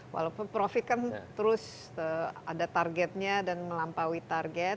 walaupun profit kan terus ada targetnya dan melampaui target